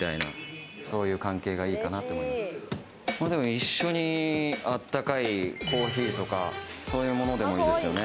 一緒にあったかいコーヒーとか、そういうのでもいいですよね。